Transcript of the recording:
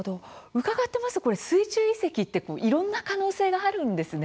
伺ってますと水中遺跡っていろんな可能性があるんですね。